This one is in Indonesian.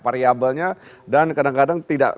variabelnya dan kadang kadang tidak